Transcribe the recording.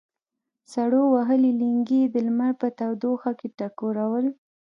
سړو وهلي لېنګي یې د لمر په تودوخه کې ټکورول.